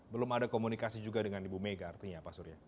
belum ada komunikasi juga dengan ibu mega artinya pak surya